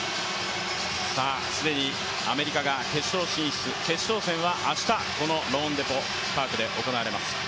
既にアメリカが決勝進出、決勝戦は明日、このローンデポ・パークで行われます。